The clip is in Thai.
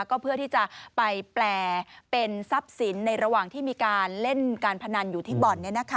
ก็เพื่อที่จะไปแปลเป็นทรัพย์สินในระหว่างที่มีการเล่นการพนันอยู่ที่บ่อน